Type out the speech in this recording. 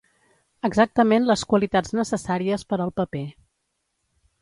Exactament les qualitats necessàries per al paper.